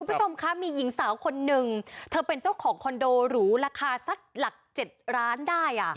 คุณผู้ชมคะมีหญิงสาวคนหนึ่งเธอเป็นเจ้าของคอนโดหรูราคาสักหลักเจ็ดล้านได้อ่ะ